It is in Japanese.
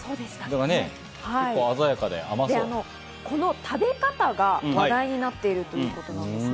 この食べ方が話題になっているということなんですね。